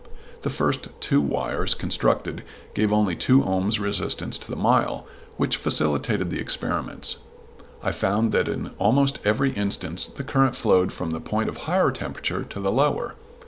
The first two wires constructed gave only two ohms resistance to the mile, which facilitated the experiments. I found that in almost every instance the current flowed from the point of higher temperature to the lower.